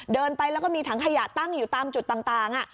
เดินไปแล้วก็มีถังขยะตั้งอยู่ตามจุดต่าง